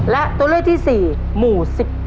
และตัวเลือกที่๔หมู่๑๑